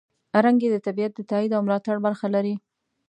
رنګ یې د طبیعت د تاييد او ملاتړ برخه لري.